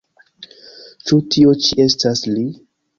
Ĉu tio ĉi estas li?